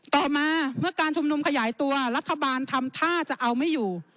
ต่อมาเมื่อการชุมนุมขยายตัวรัฐบาลทำท่าจะเอาไม่อยู่